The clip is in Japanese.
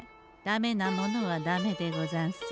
ダメなものはダメでござんす。